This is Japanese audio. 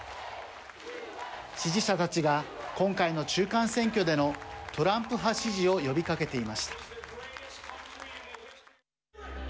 支持者たちが今回の中間選挙でのトランプ派支持を呼びかけていました。